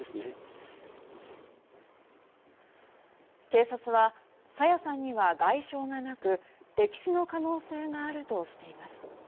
警察は朝芽さんには外傷がなく溺死の可能性があるとしています。